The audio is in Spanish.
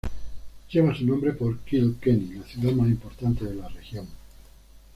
Lleva su nombre por Kilkenny, la ciudad más importante de la región.